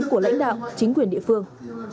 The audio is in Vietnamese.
của lãnh đạo chính quyền địa phương